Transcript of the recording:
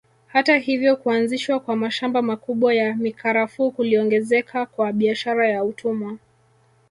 Hata hivyo kuanzishwa kwa mashamba makubwa ya mikarafuu kuliongezeka kwa biashara ya utumwa